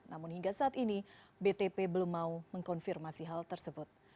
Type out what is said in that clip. namun hingga saat ini btp belum mau mengkonfirmasi hal tersebut